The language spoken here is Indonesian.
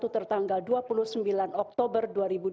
tertanggal dua puluh sembilan oktober dua ribu dua puluh